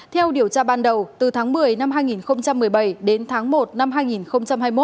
theo điều tra ban đầu từ tháng một mươi năm hai nghìn một mươi bảy đến tháng một năm hai nghìn hai mươi một